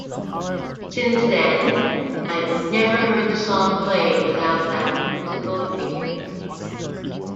Since then, I've never heard the song played without that musical figure.